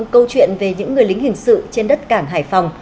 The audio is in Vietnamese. câu chuyện về những người lính hình sự trên đất cảng hải phòng